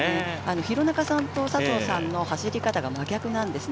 廣中さんと佐藤さんの走り方が真逆なんですね。